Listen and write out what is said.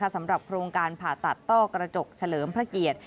สำหรับโครงการผ่าตัดต้อกระจกเฉลิมพระเกียรติ